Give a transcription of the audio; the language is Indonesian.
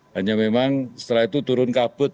hanya memang setelah itu turun kabut